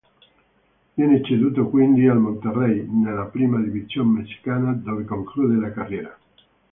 Viene ceduto quindi al Monterrey, nella Primera División messicana, dove conclude la carriera.